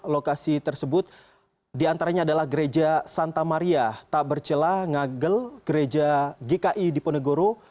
lokasi tersebut diantaranya adalah gereja santa maria tak bercelah ngagel gereja gki diponegoro